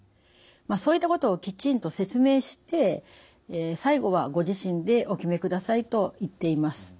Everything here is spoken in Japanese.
そういったことをきちんと説明して最後はご自身でお決めくださいと言っています。